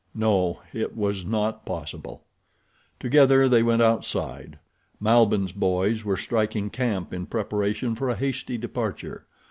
No, it was not possible. Together they went outside. Malbihn's boys were striking camp in preparation for a hasty departure.